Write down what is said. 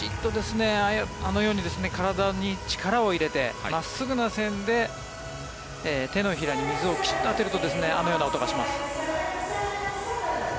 あのように体に力を入れて真っすぐな線で手のひらに水を当てるとあのような音がします。